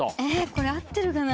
これ合ってるかな？